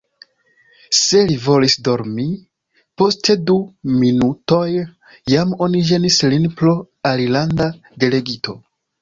Se li volis dormi, post du minutoj jam oni ĝenis lin pro alilanda delegito.